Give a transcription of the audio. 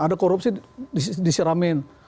ada korupsi disiramin